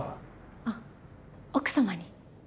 あっ奥様に？